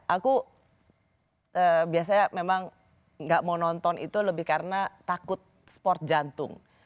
aku biasanya memang gak mau nonton itu lebih karena takut sport jantung